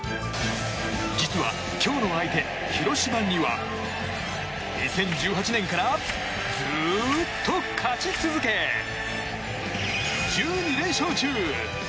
実は今日の相手、広島には２０１８年からずっと勝ち続け１２連勝中！